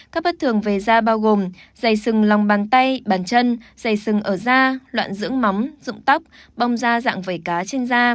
các bất thường về da bao gồm dày sừng lòng bàn tay bàn chân dày sừng ở da loạn dưỡng mắm dụng tóc bong da dạng vẩy cá trên da